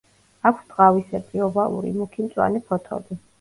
აქვს ტყავისებრი, ოვალური, მუქი მწვანე ფოთოლი.